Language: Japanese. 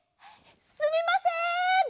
すみません！